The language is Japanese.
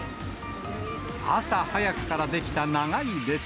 朝早くから出来た長い列。